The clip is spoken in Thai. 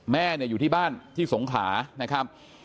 แม่อยู่ที่บ้านที่สงขา